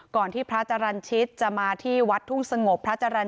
ก่อนที่พระจรรชิตจำวัดท่วงสงบ